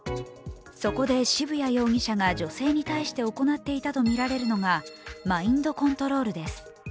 そこで渋谷容疑者が女性に対して行っていたとみられるのがマインドコントロールです。